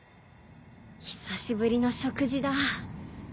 久しぶりの食事だ。